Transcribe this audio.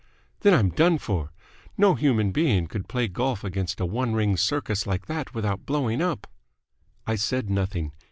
"Then I'm done for! No human being could play golf against a one ring circus like that without blowing up!" I said nothing.